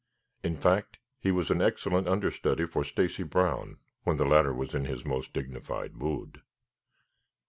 In fact, he was an excellent understudy for Stacy Brown when the latter was in his most dignified mood.